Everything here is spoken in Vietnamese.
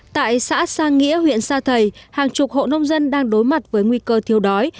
tại xã sa nghĩa huyện sa thầy hàng chục hộ nông dân đang đối mặt với nguy cơ thiếu đói